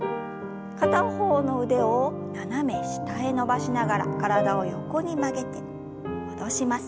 片方の腕を斜め下へ伸ばしながら体を横に曲げて戻します。